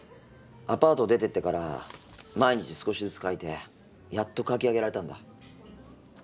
アパート出ていってから毎日少しずつ書いてやっと書き上げられたんだ。